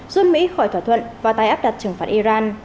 rút mỹ khỏi thỏa thuận và tái áp đặt trừng phạt iran